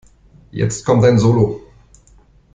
Jetzt kommt dein Solo.